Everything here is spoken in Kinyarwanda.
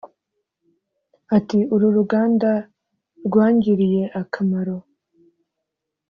Ati “Uru ruganda rwangiriye akamaro